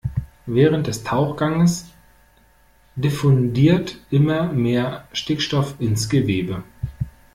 Während des Tauchgangs diffundiert immer mehr Stickstoff ins Gewebe.